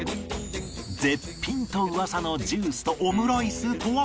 絶品と噂のジュースとオムライスとは？